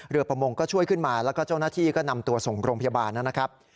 ประมงก็ช่วยขึ้นมาแล้วก็เจ้าหน้าที่ก็นำตัวส่งโรงพยาบาลนะครับ